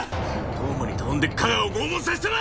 当麻に頼んで架川を拷問させたな！